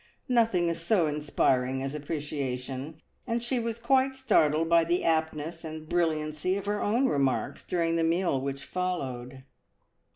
Nothing is so inspiring as appreciation, and she was quite startled by the aptness and brilliancy of her own remarks during the meal which followed.